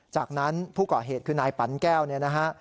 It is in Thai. จากนั้นผู้ก่อเหตุคือนายปันแก้วเนี่ยนะฮะ